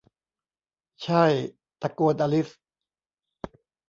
ใช่ !' ตะโกนอลิซ